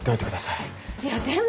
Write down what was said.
いやでも。